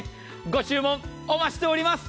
ご注文お待ちしております。